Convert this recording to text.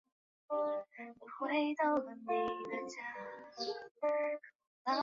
塘坊清真寺的历史年代为清。